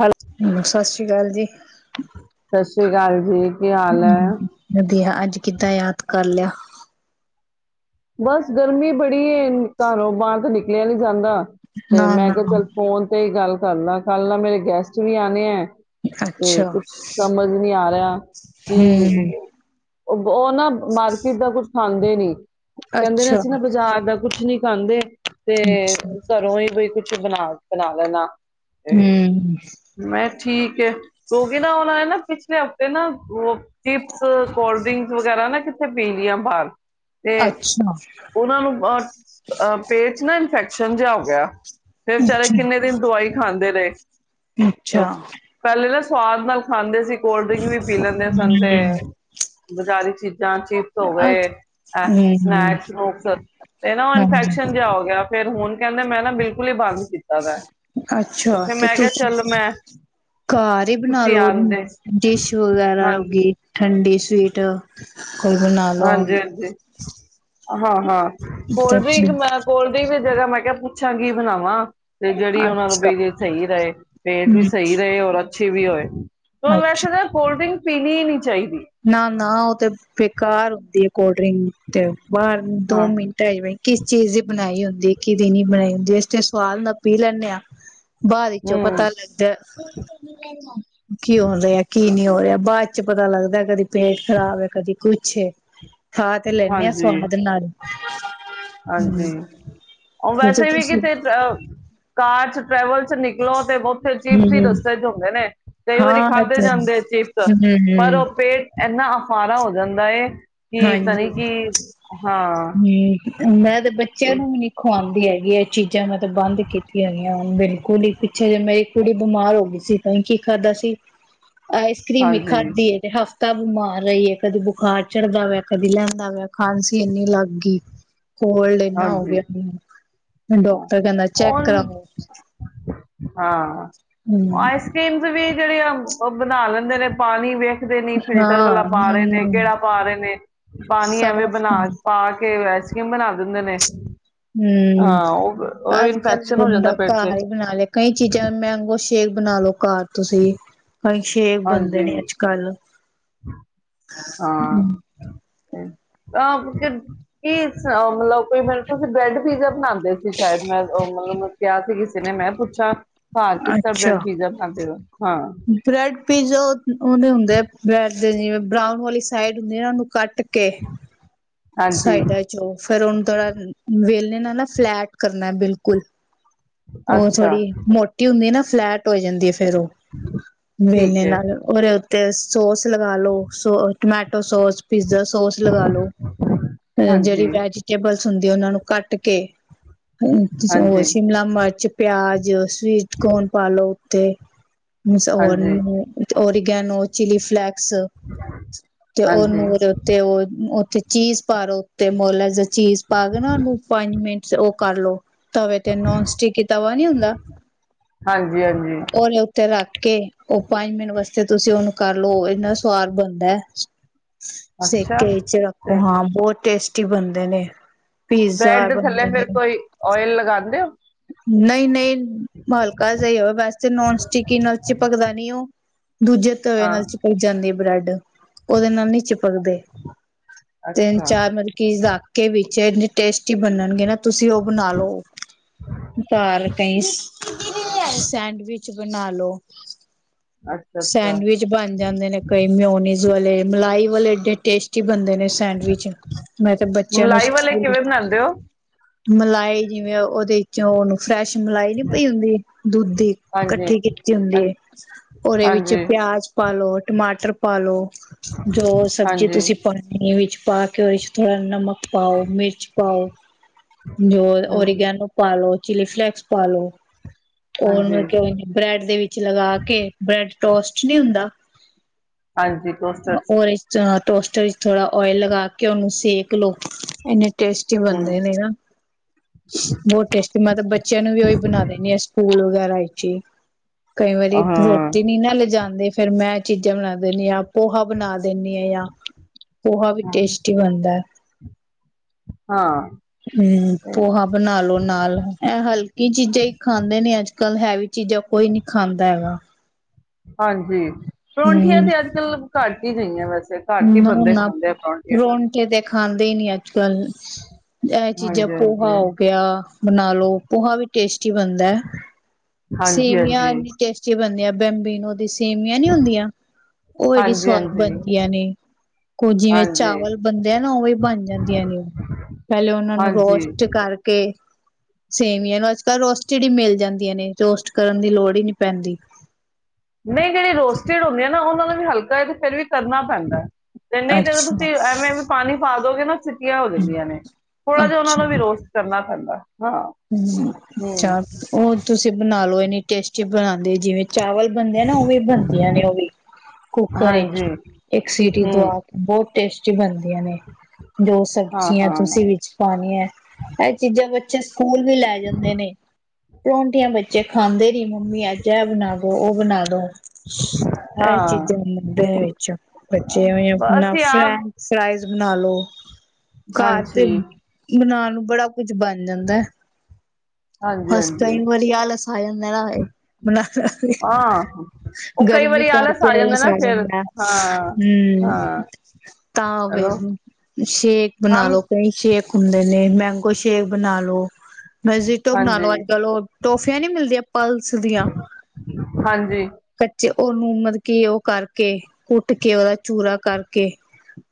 Hello ਹੂੰ, ਸਤਿ ਸ੍ਰੀ ਅਕਾਲ ਜੀ। ਸਤਿ ਸ਼੍ਰੀ ਅਕਾਲ ਜੀ। ਕੀ ਹਾਲ ਹੈ ਹੂੰ ਵਧੀਆ, ਅੱਜ ਕਿੱਦਾਂ ਯਾਦ ਕਰ ਲਿਆ? ਬਸ ਗਰਮੀ ਬੜੀ ਹੈ, ਘਰੋਂ ਬਾਹਰ ਤਾਂ ਨਿਕਲਿਆ ਨੀ ਜਾਂਦਾ। ਨਾ ਤੇ ਮੈਂ ਨਾ ਕਿਹਾ, ਚੱਲ ਫੋਨ ਤੇ ਹੀ ਗੱਲ ਕਰਲਾ, ਕਲ ਨਾ ਮੇਰੇ ਗੈਸਟ ਵੀ ਆਉਣੇ ਹੈ। ਤੇ, ਅੱਛਾ ਕੁਛ ਸਮਝ ਨਹੀਂ ਆ ਰਿਹਾ ਕਿ ਹੂੰ ਉਹਨਾ ਮਾਰਕੀਟ ਦਾ ਕੁਛ ਖਾਂਦੇ ਨੀ। ਕਹਿੰਦੇ ਨੇ ਅੱਛਾ ਅਸੀਂ ਨਾ ਬਾਜ਼ਾਰ ਦਾ ਕੁਛ ਨੀ ਖਾਂਦੇ ਤੇ ਅੱਛਾ, ਘਰੋਂ ਹੀ ਬਈ ਕੁਛ ਬਣਾ-ਬਣਾ ਲੈਣਾ। ਹੂੰ । ਠੀਕ ਹੈ, ਕਿਉਕਿ ਉਨਾਂ ਨੇ ਨਾ ਪਿਛਲੇ ਹਫ਼ਤੇ ਨਾ ਉਹ ਚਿਪਸ, ਕੋਲਡ੍ਰਿੰਕ ਵਗੈਰਾ ਨਾ ਕਿੱਥੇ ਪੀ ਲਿਆ ਬਾਹਰ ਤੇ ਅੱਛਾ ਉਹਨਾਂ ਨੂੰ ਅ ਪੇਟ ਚ ਨਾ ਇਨਫੈਕ ਛਿਅਂਜਾ ਹੋ ਗਿਆ। ਫਿਰ ਵਿਚਾਰੇ, ਅੱਛਾ ਕਿੰਨੇ ਦਿਨ ਦਵਾਈ ਖਾਂਦੇ ਦੇ ਨੇ ਅੱਛਾ। ਸਵਾਦ ਨਾਲ ਖਾਂਦੇ ਸੀ, ਕੋਲ ਡ੍ਰਿੰਕ ਵੀ ਪੀ ਲੈਦੇ ਸਨ ਤੇ ਹੂੰ ਬਜ਼ਾਰੀ ਚੀਜ਼ ਜਾਂ ਚੀਪਸ ਹੋ ਅੱ ਗਏ ਹੂੰ ਸਨੈਕਸ- ਸਨੁਕ ਤੇ ਨਾ ਉਹ ਹਾਂਜੀ ਇਨਫੈਕਸ਼ਨ ਜਿਹਾ ਹੋ ਗਿਆ ਤੇ ਹੁਣ ਕਹਿੰਦੇ, ਮੈਂ ਨਾ ਬਿਲਕੁਲ ਹੀ ਬੰਦ ਕੀਤਾ ਦਾ ਹੈ। ਅੱਛਾ, ਫਿਰ ਤੇ ਮੈਂ ਕਿਹਾ ਤੁਸੀ ਚੱਲ ਮੈਂ ਘਾਰ ਹੀ ਬਣਾ ਤੁਸੀਂ ਲਓ ਆਂਦੇ ਡਿਸ਼ ਵਗੈਰਾ ਹੋ ਹਾਂਜੀ, ਗਈ, ਠੰਡੀ ਸਵੀਟ। ਕੁਝ ਬਣਾਲੋ ਹੁਣ। ਹਾਂਜੀ, ਹਾਂਜੀ। ਹਾਂ-ਹਾਂ। ਕੋਲਡਰਿੰਕ, ਮੈਂ ਕੋਲਡਰਿੰਕ ਜਗ੍ਹਾ ਮੈਂ ਕਿਹਾ ਪੁੱਛਾਂਗੀ ਬਣਾਵਾਂ ਤੇ ਜਿਹੜੀ ਉਹ ਨੂੰ ਅੱਛਾ ਵੀ ਜੇ ਸਹੀ ਰਹੇ ਪੇਟ ਹੂੰ ਵੀ ਸਹੀ ਰਹੇ ਔਰ ਅੱਛੀ ਵੀ ਹੋਏ ਵੈਸੇ ਕੋਲਡ ਡ੍ਰਿੰਕ ਪੀਣੀ ਹੀ ਨਹੀਂੀ ਚਾਹੀਦੀ ਨਾ ਨਾ ਉਹ ਤੇ ਘਰ ਹੁੰਦੀ ਹੈ ਕੋਲਡ ਡਰਿੰਕ ਤੇ ਬਾਹਰ ਦੋ ਹਾਂ ਮਿੰਟ ਆਵੇਈ ਕਿਸ ਚੀਜ਼ ਬਣਾਈ ਹੁੰਦੀ ਕਿ ਦਿ ਨ ਬਣਾਈ ਹਦੀ ਜਿਸ ਤੇ ਸੁਵਾਦ ਨਾਲ ਪੀ ਲੈਂਦੇ ਹਾਂ ਬਾਅਦ ਵਿੱਚੋਂ ਹੂੰ। ਪਤਾ ਲੱਗਦਾ ਕੀ ਹੋ ਰਿਹਾ ਕੀ ਨਹੀਂ ਹੋ ਰਿਹਾ ਬਾਅਦ ਚ ਪਤਾ ਲੱਗਦਾ ਕਦੀ ਪੇਟ ਖਰਾਬ ਹੈ ਕਦੀ ਕੁਛ ਛੇ ਥਾ ਤੇ ਲੈਨੇ ਆ ਹਾਂਜੀ, ਸਵਾਦ ਨਾਲ ਹਾਂਜੀ ਹਮ ਉਹ ਵੈਸੇ ਵੀ ਤੁਸੀਂ ਕਿਤੇ ਅ ਪਾਠ ਟਰੈਵਲ ਚ ਨਿਕਲੋ ਤੇ ਬਥੇ ਅਚੀਪ ਸੀ ਹਮ ਦੱਸੇ ਚ ਹੁੰਦੇ ਨੇ ਕਈ ਵਾਰੀ ਹਾਂ ਖਾਧੇ ਜਾਂ ਹਮ ਅੰਦੇ ਚਿਪਸ ਪਰ ਹਮ ਉਹ ਪੇਟ ਇੰਨਾ ਅਫਾਰਾ ਹੋ ਜਾਂਦਾ ਏ ਕਿ ਪਤਾਣੀੀ ਹਾਂਜੀ ਕਿ ਹਾਂ ਮੈ ਤੇ ਬੱਚਿਆਂ ਨੂੰ ਵੀ ਨੀ ਖੁਵਾਉਂ ਹੈਗੀ ਇਹ ਚੀਜ਼ਾਂ ਚਜ਼ਾਂ ਮੈਂ ਤਾਂਬ ਬੰਦ ਕੀਤੀਆਂ ਨੇ ਬਿਲਕੁਲ ਹੀ ਪਿੱਛੇ ਜੇ ਮੇਰੀ ਕੁੜੀ ਬਿਮਾਰ ਹੋ ਗਈ ਸੀ ਤਾਂ ਕੀ ਕਰਾਦਾ ਸੀ ਆਈਸ ਕਰ੍ਰੀਮ ਵੀ ਹਾਂਜੀ, ਖਾਧ ਹੈ ਤੇ ਹਫ ਤਬ ਮਾਰ ਰਹੀ ਹੈ ਕਦੇ ਬੁਖਾਰ ਚੜਦਾ ਵਆ ਕਦੀ ਲੈਂਦਾ ਵਆ ਖਾਂਸੀ ਇੰਨੀ ਲੱਗ ਗਈ ਕੋਲਡ ਇਨਾ ਹੋਗ ਹਾਂਜੀ ਹਾਂ ਡਾਕਟਰ ਕਹਿੰਦਾ ਚੈੱਕ ਉਹ ਕਰਾਓ ਹਾਂ ਹਮ ਆਈਸ ਕ੍ਰੀਮਸ ਵੀ ਜਿਹੜੇ ਆ ਉਹ ਬਣਾ ਲੈਂਦੇ ਨੇ ਪਾਣੀ ਵੇਖ ਦੇ ਨਹੀਂ ਫਿਲਟਰ ਵਾਲਾ ਹਾਂ ਪਾ ਰਹੇ ਨੇ ਨਹੀਂ ਕਿਹੜਾ ਪਾ ਰਹੇ ਨੇ ਪਾਣੀ ਐਵੇਂ ਸਾਫ਼ ਬਣਾ ਪਾ ਕੇ ਵੈ ਯਮ ਨਾ ਅ ਤਨੇ ਹਮ ਅੱਜ ਕੱਲ ਇਨਫੈਕਸ਼ਨ ਹੋ ਬੰਦਾ ਜਾਂਦਾ ਪੇਟ ਚ ਘਰ ਹੀ ਬਣਾ ਲਿਆ ਕਈ ਚੀਜ਼ਾਂ ਮੈਂਗੋ ਸ਼ੇਕ ਬਣਾ ਲੋ ਘਰ ਤੁਸੀਂ ਭਈ ਛੇ ਬੰਦੇ ਹਾਂਜੀ ਨੇ ਅੱਜ ਕੱਲ ਹ ਹਾਂ ਕੀ ਮਤਲਬ ਕੋਈ ਮ ਤੁਸੀਂ ਬ੍ਰੈਡ ਪੀਜ਼ਾ ਬਣਾਉਂਦੇ ਸੀ ਸ਼ਾਇਦ ਮੈਂ ਮਤਲਬ ਕਿਹਾ ਸੀ ਕਿਸੇ ਨੇ ਮੈਂ ਪੁੱਛਿਆ ਹਾਂ ਕਿਾ ਬ੍ਰੈਡ ਪੀਜ਼ਾ ਖਦੇ ਹੋ ਹਾਂ ਬਰਡ ਫਿਜ਼ੋਤ ਉਹਨੇ ਹੁੰਦੇ ਆ ਬ੍ਰੈਡ ਦੇ ਜਿਵੇਂ ਬਰਾਊਨ ਵਾਲੀ ਸਾਈਡ ਹੁੰਦੇ ਇਹਨਾਂ ਨੂੰ ਕੱਟ ਓ ਕੇ ਹਾਂਜੀ ਸਾਈਡਾਂ ਚੋਂ ਫੇਿਰ ਹੁਨਣ ਥੋੜਾ ਵੇਲ ਅ ਨ ਨਾ ਫਲੈਟ ਕਰਨਾ ਬਿਲਕੁਲ ਉਹ ਅੱਛਾ ਥੋੜ੍ਹੀ ਮੋਟੀ ਹੁੰਦੀ ਨਾ ਫਲੈਟ ਹੋ ਜਾਂਦੀ ਹੈ ਫੇਰ ਉਹ ਠੀਕ ਮੇਨੇ ਹੈ ਨਾਲ ਉਹਦੇ ਤੇ ਸੋਸ ਲਗਾ ਲੋ ਸੋ ਕਲੇ ਤ ਸੋਸ ਪੀਜ਼ਾ ਸੋਸ ਲਗਾ ਲੋ ਅ ਜਿਹੜੀ ਹਾਂਜੀ ਵੈਜੀਟੇਬਲ ਸੁਣਦੇ ਉਹਨਾਂ ਨੂੰ ਕੱਟ ਕੇ ਉਹ ਹਾਂਜੀ ਸ਼ਿਮਲਾ ਮਿਰਚ ਪਿਆਜ ਜੋੋਸ਼ ਸਵੀਟ ਕੋੌਣ ਪਾਲੋ ਤੇ ਹ ਹੋਰ ਹਾਂਜੀ ਹੋਰ ਗੇਨੋ ਚੀ ਫਲੈਕ ਤੇ ਉਹ ਹਾਂਜੀ ਨ ਤੇ ਉਹ ਉੱਥੇ ਚੀਜ਼ ਪਾਲੋ ਉੱਤੇ ਮੁਜ ਚੀਜ਼ ਪਾ ਕੇ ਨਾ ਉਹਨੂੰ ਪੰਜ ਮਿੰਟ ਕਰ ਲੋ। ਤਵੇ ਤੇ ਨੋਨ ਸਟਿਕੀ ਤਵਾ ਨੀ ਹੁੰਦਾ ਹਾਂਜੀ ਹਾਂਜੀ ਓਲੇ ਉੱਥੇ ਰੱਖ ਕੇ ਉਹ ਪੰਜ ਮਿੰਨਟ ਵਾਸਤੇ ਤੁਸੀਂ ਉਹਨੂੰ ਕਰਲਓ ਇੰਨਾ ਸਵਾਦ ਬਣਦਾ। ਅ [unintelligible] ਅੱਛਾ ਸੇਕੇ ਚ ਰੱਖ ਤੇ ਹਾਂ ਬਹੁਤ ਟੇਸਟੀ ਬਣਦੇ ਨੇ। ਪੀਜ਼ਾ ਬਰੈਡ ਦੇ ਥੱਲੇ ਬਣਦੇ ਫਿਰ ਨੇ। ਕੋਈ ੳਇਲ ਲਗਾਦੇ ਹੋ? ਨਹੀਂ-ਨਹੀਂ ਹਲਕਾ ਜਾਹੀ ਹੋ ਵੈਸੇ ਨੋਨ ਸਟਿਕ ਨਾਲ ਚਿਪਕਦਾ ਨੀ ਉਹ। ਦੂਜੇ ਤਵੇ ਹਾਂ ਨਾਲ ਚਿਪਕ ਜਾਂਦੀ ਹੈ, ਬਰੈਡ। ਉਹਦੇ ਨਾਲ ਨੀ ਚਿਪਕਦੇ। ਅੱਛਾ ਤਿੰਨ-ਚਾਰ ਮਰਕੀ ਰਖਕੇ ਵਿੱਚ ਟੇਸਟੀ ਬਨਣਗੇ ਨਾ, ਤੁਸੀਂ ਉਹ ਬਣਾ ਲੋ ਪਰ ਕਈ ਸੈਂਡਵਿਚ ਬਣਾਲਓ। ਅੱਛਾ ਅੱਛਾ ਸੈਂਡਵਿਚ ਬਣ ਜਾਂਦੇ ਨੇ, ਕਈ ਮਿਉਨੀਜ਼ ਵਾਲੇ ਮਲਾਈ ਵੱਲ ਏਡੇ ਟੇਸਟੀ ਬੰਦੇ ਨੇ। ਸੈਂਡਵਿਚ, ਮੈਂ ਤਾਂ ਬੱਚਿਆਂ ਨੂੰ ਮਲਾਈ ਵਾਲੇ ਕਿਵੇਂ ਬਣਾਉਂਦੇ ਹੋ ਮਲਾਈ ਜਿਵੇਂ, ਉਹਦੇ ਚੋਂ ਉਹਨੂੰ ਫਰੈਸ਼ ਮਲਾਈ ਨੀ ਪਈ ਹੁੰਦੀ, ਦੁੱਧ ਦੀ ਹਾਂਜੀ ਇਕੱਠੀ ਕੀਤੀ ਹੁੰਦੀ ਹੈ, ਹਾਂਜੀ ਉਹਦੇ ਵਿੱਚ ਹਾਂਜੀ ਪਿਆਜ ਪਾਾਲੋ, ਟਮਾਟਰ ਪਾਾਲੋ। ਜੋ ਸਬਜ਼ੀ, ਹਾਂਜੀ ਤੁਸੀਂ ਪਾਣੀ ਵਿੱਚ ਪਾ ਕੇ ਉਹਦੇ ਚ', ਥੋੜਾ ਨਮਕ ਪਾਓ, ਮਿਰਚ ਪਾਓ। ਜੋ ਹਾਂਜੀ ਔਰਗੈਨੋ ਪਾਲੋ। ਚਿਲੀ ਫਲੈਕਸ ਪਾ ਲੋ। ਹੋਰ ਹਾਂਜੀ ਮਤਲਬ ਕਿ ਹੋ ਬ੍ਰੈਰਡ ਦੇ ਵਿੱਚ ਲਗਾ ਕੇ ਬ੍ਰੈਰਡ ਟੋਸਟ ਨਹੀਂ ਹੁੰਦਾ। ਹਾਂਜੀ, ਦਸ ਉਹਦੇ ਚ ਟੋਸਟਰ ਥੋੜਾ ਓਇਲ ਕੇ ਉਹਨੂੰ ਸੇਕ ਲਓ ਇਨੇ ਟੇਸਟੀ ਹਮ ਬਣਦੇ ਨੇ ਨਾ ਬਹੁਤ ਟੇਸਟੀ ਮਤਲਬ ਬੱਚਿਆਂ ਨੂੰ ਵੀ ਉਹੀ ਬਣਾ ਦੇਿੰਣੀ ਆ ਸਕੂਲ ਵਗੈਰਾ ਵਿੱਚ ਹੀ ਕਈ ਵਾਰੀ ਹਾਂ ਰੋਟੀ ਨੀ ਨਾ ਲਿਜਾਂਦੇ। ਫੇਰ ਮੈਂ ਚੀਜ਼ਾਂ ਬਣਾਂ ਦਿੰਦੀ ਹਾਂ ਪੋਹਾ ਬਣਾ ਦਿੰਦੀ ਹਾਂ ਜਾਂ ਪੋਹਾ ਵਿੱਚ ਟੇਸਟੀ ਬਣਦਾ ਹਾਂ ਹਮ ਇਹ ਪੋਹਾ ਬਣਾ ਲੋ ਨਾਲ ਇਹ ਹਲਕੀ ਚੀਜ਼ਾਂ ਹੀ ਖਾਂਦੇ ਨੇ ਅੱਜ- ਗੱਲ ਹੈ ਵੀ ਚੀਜ਼ਾਂ ਕੋਈ ਨੀ ਖਾਂਦਾ ਹੈਗਾ। ਹਾਂਜੀ ਪਰੌਂਠੀਆਂ ਹੂੰ ਤੇ ਅੱਜ ਕੱਲ੍ਹ ਘੱਟ ਹੀ ਗਈਆਂ ਬਸ ਨਾ ਨਾ ਪਰੋਂਠੀ ਤੇ ਖਾਣ ਦੇਣੀਆਂ ਅੱਜ ਕੱਲ ਇਹ ਚੀਜ਼ਾਂ ਹਾਂਜੀ ਪੋਹਾ ਹੋ ਗਿਆ। ਬਣਾ ਲੋ ਪੋਹਾ ਵੀ ਟੇਸ ਬਣਦਾ ਹਾਂਜੀ ਹਾਂਜੀ ਸੇਵੀਆਂ ਹਾਂਜੀ ਇੰਨੀ ਟੇਸਟੀ ਬਣਦੀਆਂ। ਬੈਂਬੀਨੋ ਦੀ ਸੇਵੀਆਂ ਨੀ ਹੁੰਦੀਆਂ ਉਹ ਐਡੀ ਹਾਂਜੀ ਸਵਾਦ ਹਾਂਜੀ ਬਣਦੀ ਨੇ ਕੁ ਜਿਵੇਂ ਹਾਂਜੀ ਚਾਵਲ ਬਣਦੇ ਆ ਨਾ ਉਵੇ ਬਣ ਜਾਂਦੀਆਂ ਨੇ ਉਹ ਪਹਿਲੇ ਉਹਨਾਂ ਨੂੰ ਹਾਂਜੀ ਰੋਸਟ ਕਰਕੇ ਸੇਵੀਆਂ ਇਹ ਨੂੰ ਅੱਜ ਕੱਲ੍ਹ ਰੋਸਟਡ ਹੀ ਮਿਲ ਜਾਂਦੀਆਂ ਨੇ ਰੋਸਟ ਕਰਨ ਦੀ ਲੋੜ ਹੀ ਨਹੀਂ ਪੈਂਦੀ। ਨਹੀਂ ਜਿਹੜੀ ਰੋਸਟਿਡ ਹੁੰਦੀ ਆ ਨਾ ਉਹਨਾਂ ਨੂੰ ਵੀ ਹਲਕਾ ਤੇ ਫੇਿਰ ਵੀ ਕਰਨਾ ਪੈਂਦਾ ਤੇ ਨਹੀਂ ਤੇੋਂ ਅੱਛਾ ਤੁਸੀਂ ਐਵੇਂ ਐਵੇਂ ਪਾਣੀ ਪਾ ਨਾ [unintelligible] ਹੋ ਜਾਂਦੀਆਂ ਨੇ ਥੋੜ੍ਹਾ ਜਿਹਾ ਉਹਨਾਂ ਅੱਛਾ ਨੂੰ ਵੀ ਰੋਸਤ ਕਰਨਾ ਠੰਡਦਾ [unintelligible] ਹਮ ਅੱਛਾ ਉਹ ਤੁਸੀਂ ਬਣਾ ਲਓ। ਟੇਸਟੀ ਬਣਾਉਂਦੇ ਜਿਵੇਂ ਚਾਵਲ ਬਣਦੇ ਆ ਨਾ ਉਹ ਵੀ ਬਣਦੀਆਂ ਨੇ ਉਹ ਵੀ ਕੁੱਕਰ ਵਿਚ ਹਾਂਜੀ ਇੱਕ ਸੀਟੀ ਹਮ ਦਆ ਕੇ ਬਹੁਤ ਟੇਸਟੀ ਬਨ ਨੇ ਜੋ ਹਾਂ ਸਬਜ਼ੀਆਂ ਹਾਂ ਤੁਸੀਂ ਵਿੱਚ ਪਾਉਣੀਆਂ ਇਹ ਚੀਜ਼ਾਂ ਚਛ ਸਕੁਲ ਵੀ ਲੈ ਜਾਂਦੇ ਨੇ। ਪਰੋਠੀਆਂ ਵਿੱਚ, ਖਾਂਦੇ ਨੀ ਮੰਮੀ ਅੱਜ ਇਹ ਬਣਾ ਦੋ ਉਹ ਬਣਾ ਦੋ ਇਹ ਹਾਂ ਚੀਜ਼ਾਂ ਮੰਦੇ ਵਿੱਚ ਬੱਚੇ ਆਪਣਾ ਅਸੀਂ ਆਪ ਫੈਂਕ ਫਰਾ ਤੇ ਬਣਾਲੋ, ਘਰ ਤੇ ਹਾਂਜੀ ਬਣਾਣ, ਬੜਾ, ਕੁਝ ਬਣ ਜਾਂਦਾ, ਹਾਂਜੀ ਬਸ ਹਾਂਜੀ ਕਈ ਵਾਰੀ ਅ [unintelligible] ਐ, ਬਣਾ ਹਾਂ ਉਹ ਕਈ ਗਰਮੀ ਵਾਰੀ ਕਰਕੇ ਜਾਂਦਾ ਆਲਸ ਨਾ ਆ ਫਿਰ ਜਾਂਦਾ ਹਾਂ ਹੂੰ, ਹਾਂ ਤਾਂ ਫੇਰ ਚਲੋ ਸ਼ੇਕ ਬਣਾ ਹਮ ਲੋ ਕਈ ਸ਼ੇਕ, ਹੁੰਦੇ ਨੇ ਮੈਂਗੋ ਸ਼ੇਕ ਬਣਾਲੋ, ਮਸਜਿਦ ਤੋਂ ਬਣਾ ਹਾਂਜੀ, ਲਓ, ਅੱਜ ਕੱਲ ਉਹ ਟੋਫੀਆਂ ਨੀ ਮਿਲਦੀਆਂ ਪਲਸ ਦੀਆਂ ਹਾਂਜੀ, ਕੱਚੇ, ਉਹਨੂੰ ਮਤਲਬ ਕੀ ਉਹ ਕਰਕੇ ਕੁੱਟ ਕੇ ਉਹਦਾ ਚੂਰਾ ਕਰਕੇ,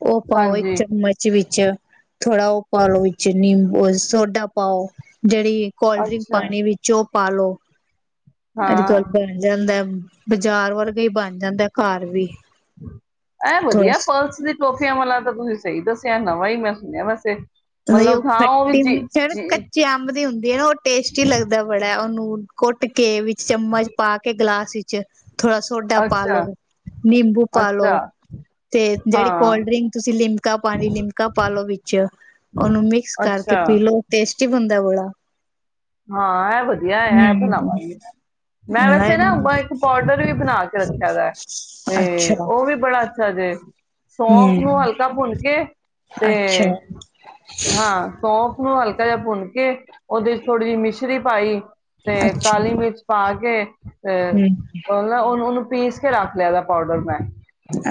ਉਹ ਪਾਓ ਇੱਕ ਹਾਂਜੀ ਚਮਚ ਵਿੱਚ, ਥੋੜਾ ਉਹ ਪਾਲੋ ਵਿੱਚ ਨਿੰਬੂ ਅ ਸੋਡਾ ਪਾਓ। ਜਿਹੜੀ ਕੋਲਡ ਡਰਿੰਕ ਅੱਛਾ ਪਾਣੀ ਵਿੱਚੋਂ, ਪਾਲੋ, ਅੱਜ ਕਲ ਹਾਂ, ਬਣ ਜਾਂਦਾ। ਬਾਜ਼ਾਰ ਵਰਗੇ ਹੀ ਬਣ ਜਾਂਦਾ ਘਰ ਵੀ, ਐ ਥੋੜਾ ਵਧੀਆ ਪਲਸ ਦੀ ਟੋਫੀਆ ਵਾਲਾ ਤਾਂ ਤੁਸੀਂ ਸਹੀ ਦੱਸ ਧਿਆਨ ਨਾ ਬਈ ਮੈਂ ਸੁਣਿਆ ਵੈਸੇ, ਉਹ ਮਤਲਬ ਹਾਂ ਵੀ ਖੱਟੀ ਜੀ ਮਿਰਚ ਜੀ ਕੱਚੇ ਅੰਬ ਦੀ ਹੁੰਦੀ ਵੇ ਔ, ਟੇਸਟੀ ਲੱਗਦਾ ਬੜਾ ਉਹਨੂੰ, ਕੁੱਟ ਕੇ ਵਿ ਚਮਚ ਪਾ ਕੇ ਗਲਾ ਸੀ ਚ, ਥੋੜਾ ਸੋਡਾ ਪਾਲੋ ਅੱਛਾ, ਨਿੰਬੂ ਪਾ ਲੋ ਅੱਛਾ ਤੇ ਜਿਹੜੀ ਹਾਂ, ਕੋਲਡ ਡਰਿੰਕ ਤੁਸੀਂ ਲਿਮਕਾ ਪਾਣੀ ਲਿਮਕਾ ਪਾਲੋ ਵਿੱਚ, ਉਹਨੂੰ ਮਿਕਸ ਕਰਕੇ ਅੱਛਾ ਪੀ ਲਉ ਟੇਸਟੀ ਬਣ ਐ ਬਾਲਾ, ਹਾਂ ਇਹ ਵਧੀਆ ਬਣਾਵਾਂਗੀ ਮੈੰ, ਮੈਂ ਵੈਸੇ ਨਾ ਇੱਕ ਪਾਊਡਰ ਵੀ ਬਣਾ ਕੇ, ਰੱਖਿਆ ਦਾ ਤੇ ਅੱਛਾ ਉਹ ਵੀ ਬੜਾ ਅੱਛਾ, ਹੰਮ। ਸੌਂਫ ਨੂੰ ਹਮ ਹਲਕਾ ਭੁੰਨ ਕੇ, ਤੇ ਅੱਛਾ ਹਾਂ ਸੌਂਫ ਨੂੰ ਹਲਕਾ ਜਿਹਾ ਭੁੰਨ ਕੇ ਥੋੜੀ ਜੀ ਮਿਸ਼ਰੀ ਸ਼੍ਰੀ ਪਾਈ ਤੇ ਅੱਛਾ ਕਾਲੀ ਮਿਰਚ ਪਾ ਕੇ, ਤੇ ਹਮ ਉਹ ਨਾ ਉਹਨ-ਉਹਨੂੰ ਪੀਸ ਕੇ ਰੱਖ ਲਿਆ ਇਦਾ ਪਾਊਡਰ ਮੈਂ।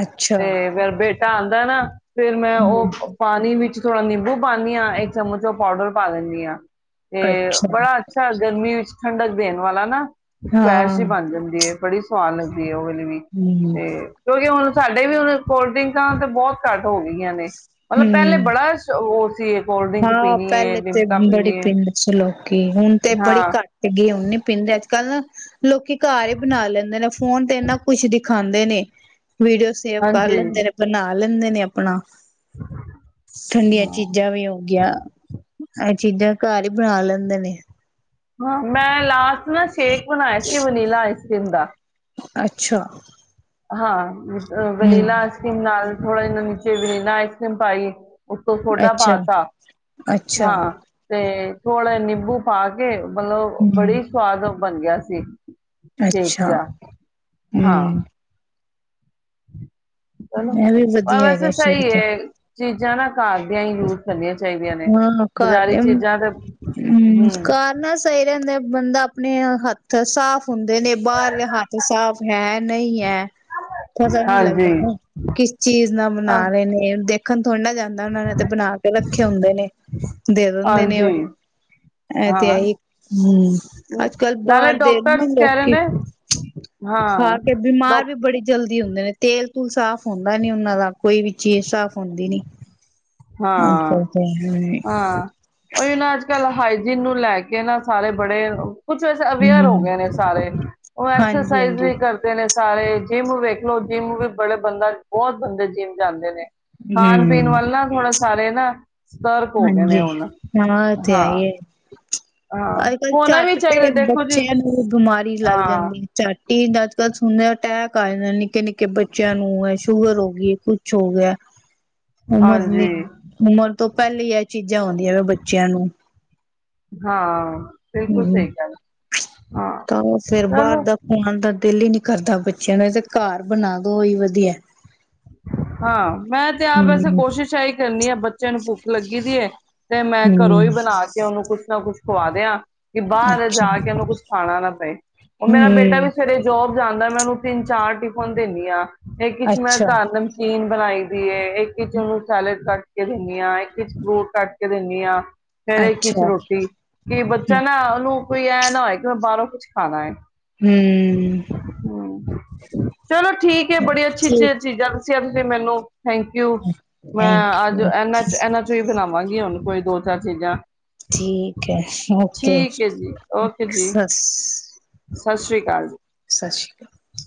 ਅੱਛਾ ਤੇ ਫੇਰ ਬੇ ਆਉਂਦਾ ਨਾ ਫਿਰ ਮੈਂ ਹਮ ਉਹ ਪਾਣੀ ਵਿੱਚ ਥੋੜਾ ਨਿੰਬੂ ਪਾਂਦੀ ਹਾਂ, ਇੱਕ ਚਮਚ ਉਹ ਪਾਊਡਰ ਪਾ ਲੈਂਦੀ ਹਾਂ। ਤੇ ਅੱਛਾ ਬੜਾ ਅੱਛਾ ਗਰਮੀ ਵਿੱਚ ਠੰਡਕ ਦੇਣ ਵਾਲਾ ਨਾ ਸਕਵੈਸ਼ ਹਾਂ ਹੀ ਬਣ ਜਾਂਦੀ ਏ। ਬੜੀ ਸੁਵਾਦ ਲੱਗਦੀ ਹੈ ਉਹ [unintelligible] ਵੀ ਹਮ ਤੇ ਕਿਉਂਕਿ ਹੁਣ ਸਾਡੇ ਵੀ ਹੁਣ ਕੋਲਡਰਿੰਕਾਂ ਤੇ ਬਹੁਤ ਘੱਟ ਹੋ ਗਈਆਂ ਨੇ, ਮਤਲਬ ਪਹਿਲੇ ਹਮ ਬੜਾ ਉ ਤੇ ਹਾਂ ਪਹਿਲੇ ਤੇ ਬੜੀ ਪਿੰਦੇ ਸੀ। ਲੋਕੀ ਹੁਣ ਤੇ ਬੜੀ ਹਾਂ ਘੱਟ ਗਈ ਹੁਣ ਨੀ ਪੀਂਦੇ ਅੱਜ ਕੱਲ ਲੋਕੀ ਘਰ ਹੀ ਬਣਾ ਲੈਂਦੇ ਨੇ, ਫੋਨ ਤੇ ਇਨਾ ਕੁਛ ਦਿਖਾਉਂਦੇ ਨੇ। ਵੀਡੀਓ ਸੇਵ ਕਰ ਹਾਂਜੀ ਲੈਂਦੇ ਨੇ, ਬਣਾ [unintelligible] ਲੈਂਦੇ ਨੇ ਆਪਣਾ ਠੰਡੀਆਂ ਹਾਂ ਚੀਜ਼ਾਂ ਵੀ ਉਹ ਗਿਆ, ਇਹ ਚੀਜ਼ਾਂ ਘਰ ਹੀ ਬਣਾ ਲੈਂਦੇ ਨੇ। ਹਾਂ, ਮੈਂ ਲਾਸਟ ਨਾ ਸ਼ੇਖ ਬਣਾਇਆ ਸੀ ਵਨੀਲਾ ਆਇਸ ਕਿਂਦਾ। ਅੱਛਾ। ਹਾਂ। ਅ ਹੂੰ ਵਨੀਲਾ ਆਈਸਕ੍ਰੀਮ ਨਾਲ ਥੋੜਾ ਜ ਨੀਚੇ ਵਨੀਲਾ ਆਈਸ-ਕਰ੍ਰੀਮ ਪਾਈ ਉਤੋਂ ਸੋਡ ਅੱਛਾ ਪਾ ਤਾ, ਅੱਛਾ ਹਾਂ ਤੇ ਥੋੜੇ, ਨਿੰਬੂ ਪਾ ਕੇ ਮਤਲਬ ਹੂੰ ਬੜੀ ਸਵਾਦ ਬਣ ਗਿਆ ਸੀ। ਕੇਕ ਅੱਛਾ ਜਿਹਾ ਹੂੰ ਹਾਂ । [inaudible] ਚਲੋ ਇਹ ਵੀ ਪਰ ਵਧੀਆ, ਹੈਗਾ ਵੈਸੇ ਸ਼ੁਰੂ ਸਹੀ ਤੋਂ। ਹੈ ਚੀਜ਼ਾਂ ਨਾ ਘਾਰ ਦੀਆਂ ਹੀ ਯੂਜ ਕਰਨਿਆਂ [unintelligible] ਹਮ ਘਾਰ ਨ ਸਹੀ ਰਹਂਦੇ ਬੰਦਾ ਆਪਣੇ ਹੱਥ ਸਾਫ਼ ਹੁੰਦੇ ਨੇ ਬਾਹਰਲੇ ਹੱਥ ਸਾਫ ਹੈ, ਨਹੀਂ ਹੈ, ਪਤਾ ਨਹੀਂ ਲੱਗਦਾ ਹਾਂਜੀ ਨਾਂ ਕਿਸ ਚੀਜ਼ ਨਾਲ ਹਾਂ ਬਣਾ ਰਹੇ ਨੇ ਦਾ ਦੇਖ [unintelligible] ਤੁਹਾਡਾ ਕੀ ਜਾਂਦਾ ਉਹਨਾਂ ਨੇ ਤੇ ਬਣਾ ਤੇ ਬਸ ਖੇ ਹੁੰਦੇ ਨੇ ਦੇ ਦਿੰਦੇ ਨੇ ਉਹੀ ਹਾਂਜੀ ਇਹ ਤੇ ਹਾਂ ਐਹੀ ਹੂੰ ਅੱਜ- ਕੱਲ ਨਾਲੇ ਬਾਹਰ ਦੇ ਨਾ ਡਾਕਟਰਸ ਕਹਿ ਰਹੇ ਲੋਕੀ ਨੇ ਹਾਂ ਖਾਕੇ ਬਿਮਾਰ ਡਾਕ ਵੀ ਬੜੀ ਜਲਦੀ ਹੁੰਦੇ ਨੇ ਤੇਲ ਕੁਛ ਸਾਫ਼ ਹੁੰਦਾ ਨੀ ਉਹਨਾਂ ਦਾ ਕੋਈ ਵੀ ਚੀਜ਼ ਸਾਫ਼ ਹੁੰਦੀ ਨੀ। ਅੱਜ ਕੱਲ ਤੇ ਹਮ ਹਾਂ-ਹਾਂ ਓਹੀ ਨਾ ਅੱਜ ਕੱਲ੍ਹ ਹ ਇਹਨੂੰ ਲੈ ਕੇ ਨਾ, ਸਾਰੇ ਬੜੇ ਕੁਛ ਵੈਸੇ, ਅਵੇਅਰ ਹੋ ਗਏ ਨੇ ਸਾਰੇ, ਉਹ ਹਾਂਜੀ ਐਕਸਰਸਾਈਜ਼ ਹਾਂਜੀ ਵੀ ਕਰਦੇ ਨੇ। ਸਾਰੇ ਜਿੰਮ ਵੇਖ ਲੋ ਜਿੰਮ ਵੀ ਬੜੇ, ਬੰਦਾ ਬਹੁਤ ਬੰਦੇ ਜਿੰਮ ਜਾਂਦੇ ਨੇ। ਖਾਣ-ਪੀਣ ਹਮ ਵੱਲ ਨ ਸਾਰੇ ਨਾ ਸਤਰਕ ਹੋ ਗਏ ਨੇ ਹਾਂਜੀ, ਹੁਣ ਹਾਂ ੳਹ ਤੇ ਹਾਂ ਹੈਹੀ ਹੈ। ਹਾਂਜੀ ਹਾਂ ਅੱਜ-ਕੱਲ ਹੋਣਾ ਵੀ ਝੱਟ ਚਾਹੀਦਾ ਤੇ ਦੇਖੋ ਜੀ ਬੱਚਿਆਂ ਨੂੰ ਬਿਮਾਰੀ ਲੱਗ ਹਾਂ ਜਾਂਦੀ ਹੈ, ਝੱਟ ਕੀ ਅੱਜ-ਕੱਲ੍ਹ ਸੁਣਨ ਰਿਹਾ, ਅਟੈਕ ਆ ਜਾਂਦਾ ਨੇ ਨਿੱਕੇ ਨਿੱਕੇ ਕਿ, ਬੱਚਿਆਂ ਨੂੰ ਹੈ ਸ਼ੂਗਰ ਹੋ ਗਈ ਹੈ ਕੁਛ ਹੋ ਗਿਆ ਉਮਰ ਹਾਂਜੀ ਨੇ ਉਮਰ ਤੋਂ ਪੱਹਲੀ ਇਹ ਚੀਜ਼ ਜਾਂ, ਉਂਦੀਆਂ ਵੇ ਬੱਚਿਆਂ ਨੂੰ। ਹਾਂ, ਬਿਲਕੁਲ ਹਮ ਸਹੀ ਗੱਲ ਹਾਂ, ਤਾਂ ਉਹ ਫੇਰ ਬਾਹਰ ਚਲੋ। ਦਾ ਖਾਣ ਦਾ ਦਿਲ ਹੀ ਨੀ ਕਰਦਾ ਬੱਚਿਆਂ ਦਾ, ਘਰ ਬਣਾਦੋ ਓਹੀ ਵਧੀਆ ਹੈ। ਹਾਂ, ਮੈਂ ਤੇ ਆਪ ਵੈਸੇ ਕੋਸ਼ਿਸ਼ਾਂ ਇਹੀ ਕਰਨੀ ਹਾਂ ਬ ਚਣ ਭੁਕ ਲੱਗੀ ਦੀ ਹੈ। ਤੇ ਮੈਂ ਘਰੋਂ ਹੀ ਹੂੰ। ਬਣਾ ਕੇ ਉਹਨੂੰ ਕੁਛ ਨਾ ਕੁਛ ਖੁਆ ਦਿਆਂ। ਕਿ ਬਾਹਰ ਅੱਛਾ, ਜਾ ਕੇ ਉਹਨੂੰ ਕੁਛ ਪਾਣਾ ਨਾ ਪਏ। ਉਹ ਮੇਰਾ ਬੇਟਾ ਵੀ ਹੂੰ, ਸਵੇਰੇ ਜੋਬ ਜਾਂਦਾ, ਮੈਂ ਉਹਨੂੰ ਤਿੰਨ -ਚਾਰ ਟਿਫਨ ਦੇਨੀ ਹਾਂ। ਜੇ ਕਿਛੁ ਮੈਂ ਅੱਛਾ, ਘਰ ਨਮਕੀਨ। ਬਣਾਈ ਦੀ ਏ। ਇੱਕ ਕਿਚਨ ਨੂੰ ਸੈਲਡ ਕੱਟ ਕੇ ਧਨੀਆਂ ਆਏ। ਕਿਛੁ ਬੋ ਤਟ। ਕੇ ਦੇਨੀ ਆਾਂ। ਫੇਰੇ ਕਿਛ ਅੱਛਾ, ਰੋਟੀ, ਕਿ ਬੱਚਾ ਹੂੰ। ਨਾ ਉਹਨੂੰ ਕੋਈ ਐਂ ਨਾ ਹੋਏ, ਕਿ ਮੈਂ ਬਾਹਰੋਂ ਕੁੱਛ ਖਾਣਾ ਏ। ਹਮ। ਚਲੋ ਠੀਕ ਹੈ ਬੜੀ ਅੱਛੀ, ਠੀਕ ਅੱਛੀ ਅਸੀ ਅਪਨੇ ਮੈਨੂੰ ਥੈਂਕ ਯੂ, ਮੈਂ ਥੈਂਕ ਅੱਜ ਯੂ ਐਨਾ ਚ ਐਨਾ ਚੋਂ ਹੀ ਬਣਾਵਾਂਗੀ। ਕੀ ਹੁਣ ਕੋਈ ਦੋ ਚਾਰ ਚੀਜ਼ਾਂ। ਠੀਕ ਹੈ, ਓਕੇ ਠੀਕ ਹੈ ਜੀ ਓਕੇ ਜੀ ਸ, ਸ। ਸਤਿ ਸ਼੍ਰੀ ਅਕਾਲ ਜੀ। ਸਤਿ ਸ਼੍ਰੀ ਅਕਾਲ।